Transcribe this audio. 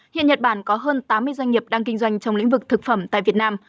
hiện nhật bản có hơn tám mươi doanh nghiệp đang kinh doanh trong lĩnh vực thực phẩm tại việt nam